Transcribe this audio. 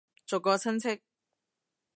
逐個親戚